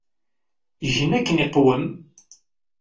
Gen akken iqwem.